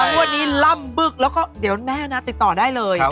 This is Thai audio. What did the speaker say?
วันนี้ล่ำบึกแล้วก็เดี๋ยวแม่นะติดต่อได้เลย